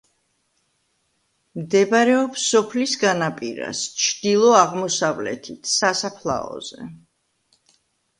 მდებარეობს სოფლის განაპირას, ჩრდილო-აღმოსავლეთით, სასაფლაოზე.